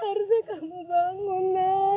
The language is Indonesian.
harusnya kamu bangun nak